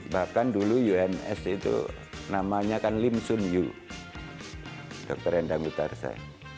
bahkan dulu ums itu namanya kan lim sun yu dokter endang witarsa